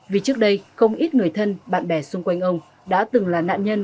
vì trước đây không ít người thân bạn bè xung quanh ông đã từng là nạn nhân